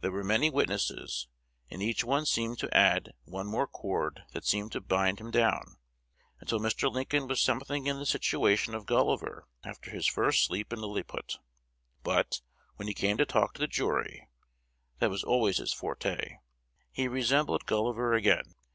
"There were many witnesses, and each one seemed to add one more cord that seemed to bind him down, until Mr. Lincoln was something in the situation of Gulliver after his first sleep in Lilliput. But, when he came to talk to the jury (that was always his forte), he resembled Gulliver again.